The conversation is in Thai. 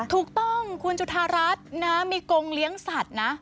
ถูกต้องคุณจุธารัฐนะมีกงเลี้ยงสัตว์นะ